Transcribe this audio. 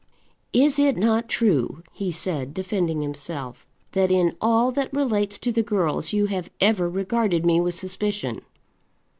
"Is it not true," he said, defending himself, "that in all that relates to the girls you have ever regarded me with suspicion?"